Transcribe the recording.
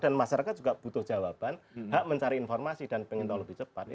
dan masyarakat juga butuh jawaban hak mencari informasi dan ingin tahu lebih cepat